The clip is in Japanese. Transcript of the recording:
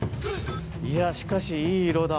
いやしかしいい色だ。